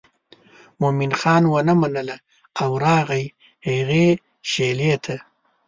مومن خان ونه منله او راغی هغې شېلې ته.